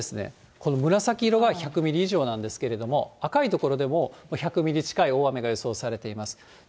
この紫色は１００ミリ以上なんですけれども、赤い所でも、１００ミリ近い大雨が予想されています。